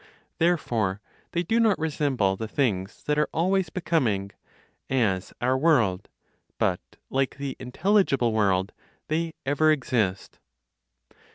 Therefore they do not resemble the things that are always becoming, as our world; but, like the intelligible world, they ever exist.